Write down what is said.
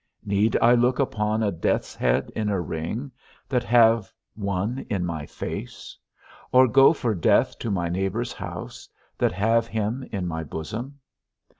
Need I look upon a death's head in a ring, that have one in my face? or go for death to my neighbour's house, that have him in my bosom?